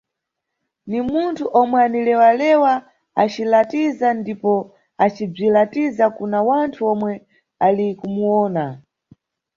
Ni munthu omwe anilewa-lewa, acilatiza ndipo acibzilatiza kuna wanthu omwe ali kumuwona.